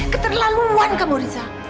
keterlaluan kamu riza